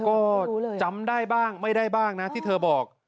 ก็จำได้บ้างไม่ได้บ้างนะที่เธอบอก